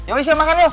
yuk isi makan yuk